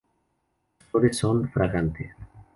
Las flores son fragantes.